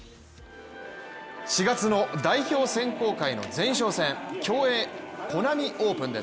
４月の代表選考会の前哨戦競泳・コナミオープンです。